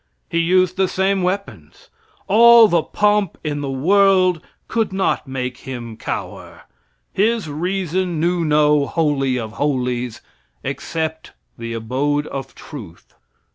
He used the same weapons. All the pomp in the world could not make him cower. His reason knew no "Holy of Holies," except the abode of Truth.